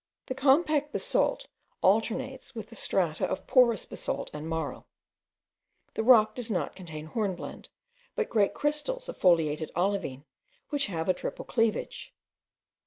The compact basalt alternates with the strata of porous basalt and marl. The rock does not contain hornblende, but great crystals of foliated olivine, which have a triple cleavage.